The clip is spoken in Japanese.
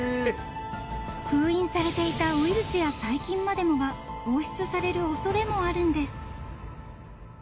［封印されていたウイルスや細菌までもが放出される恐れもあるんです］